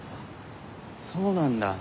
そうなんだ。